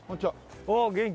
おお元気？